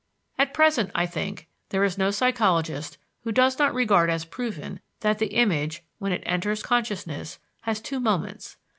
At present, I think, there is no psychologist who does not regard as proven that the image, when it enters consciousness, has two moments.